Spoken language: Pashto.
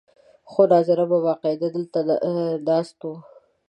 خو ناظر به باقاعده دلته ناست و.